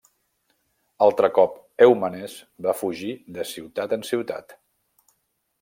Altre cop Èumenes va fugir de ciutat en ciutat.